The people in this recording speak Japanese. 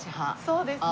そうですね。